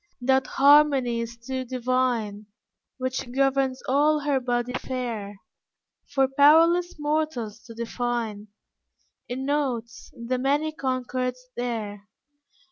That harmony is too divine, Which governs all her body fair, For powerless mortals to define In notes the many concords there.